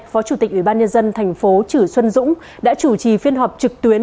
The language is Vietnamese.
phó chủ tịch ủy ban nhân dân tp trữ xuân dũng đã chủ trì phiên họp trực tuyến